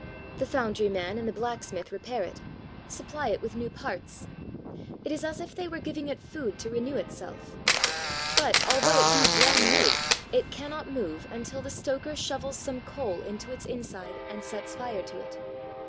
The foundry man and the blacksmith repair it, supply it with new parts; it is as if they were giving it food to renew itself. But, although it be brand new, it cannot move until the stoker shovels some coal into its inside and sets fire to it.